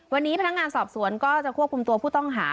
วันนี้พนักงานสอบสวนก็จะควบคุมตัวผู้ต้องหา